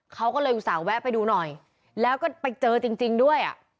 เขาก็เลยอุตส่าหแวะไปดูหน่อยแล้วก็ไปเจอจริงด้วยอ่ะ